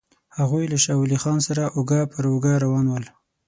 هغوی له شاه ولي خان سره اوږه پر اوږه روان ول.